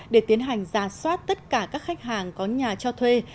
để tiến hành ra soát tất cả các khách hàng có nhà cho thuê